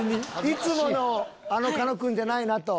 いつものあの狩野くんじゃないなと。